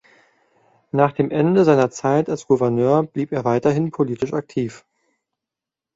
Nach dem Ende seiner Zeit als Gouverneur blieb er weiterhin politisch aktiv.